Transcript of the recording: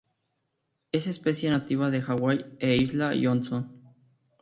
Es especie nativa de Hawái e isla Johnston.